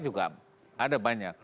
juga ada banyak